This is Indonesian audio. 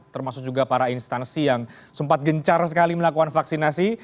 termasuk juga para instansi yang sempat gencar sekali melakukan vaksinasi